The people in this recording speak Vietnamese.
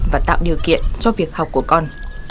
và tạo điều kiện cho việc học của con